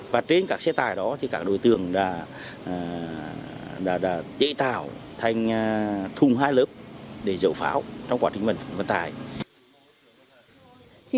và trên các xe tải đó thì các đối tượng đã chế tạo thành thùng hai lớp để dẩu pháo trong quá trình vận tải